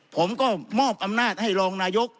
ผมก็มอบอำนาจให้รองนายก